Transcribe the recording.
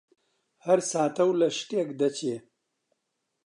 هەر ساتە و لە شتێک دەچێ: